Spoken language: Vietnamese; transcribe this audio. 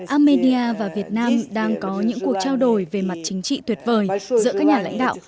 armenia và việt nam đang có những cuộc trao đổi về mặt chính trị tuyệt vời giữa các nhà lãnh đạo